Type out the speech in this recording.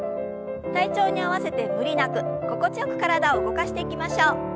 体調に合わせて無理なく心地よく体を動かしていきましょう。